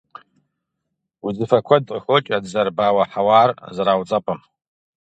Узыфэ куэд къыхокӀ а дызэрыбауэ хьэуар зэрауцӀэпӀым.